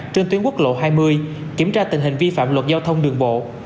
trên tuyến quốc lộ hai mươi kiểm tra tình hình vi phạm luật giao thông đường bộ